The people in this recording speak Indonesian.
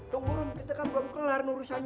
tunggu rum kita kan belum kelar urusannya